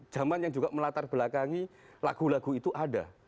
zaman yang juga melatar belakangi lagu lagu itu ada